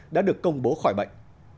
đã được công bố khỏi bệnh